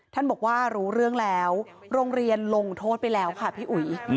ท่านบอกว่ารู้เรื่องแล้วโรงเรียนลงโทษไปแล้วค่ะพี่อุ๋ย